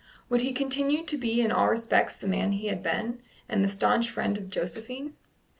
Would he continue to be in all respects the man he had been, and the staunch friend of Josephine?